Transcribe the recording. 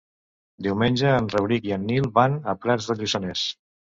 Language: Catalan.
Diumenge en Rauric i en Nil van a Prats de Lluçanès.